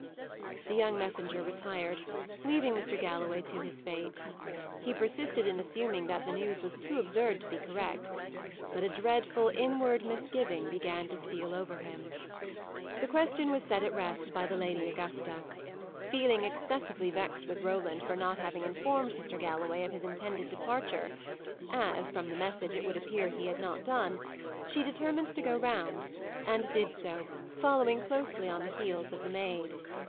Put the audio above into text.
The young messenger retired, leaving Mr. Galloway to his fate. He persisted in assuming that the news was too absurd to be correct; but a dreadful inward misgiving began to steal over him. The question was set at rest by the Lady Augusta. Feeling excessively vexed with Roland for not having informed Mr. Galloway of his intended departure as from the message, it would appear he had not done she determined to go round; and did so, following closely on the heels of the maid.